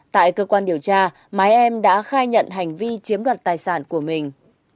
tại cơ quan điều tra mái em đã khai nhận hành vi chiếm đoạt tài sản của mình